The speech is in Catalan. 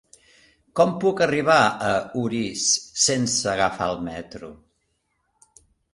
Com puc arribar a Orís sense agafar el metro?